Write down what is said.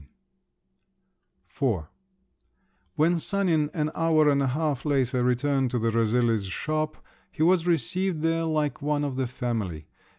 IV When Sanin, an hour and a half later, returned to the Rosellis' shop he was received there like one of the family.